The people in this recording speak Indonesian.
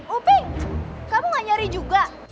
upi kamu gak nyari juga